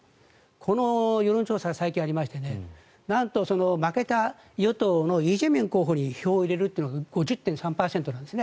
この世論調査、最近ありましてなんと、負けた与党のイ・ジェミョン候補に票を入れるというのが５０．３％なんです。